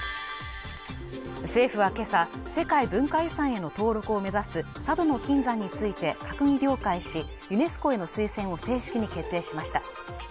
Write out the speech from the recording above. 政府は今朝世界文化遺産への登録を目指す佐渡島の金山について閣議了解しユネスコへの推薦を正式に決定しました